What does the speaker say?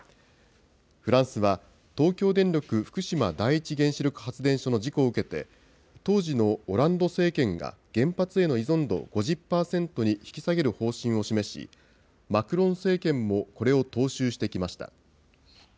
フランスは、東京電力福島第一原子力発電所の事故を受けて、当時のオランド政権が、原発への依存度を５０％に引き下げる方針を示し、マクロン政権もこれを踏襲してきました。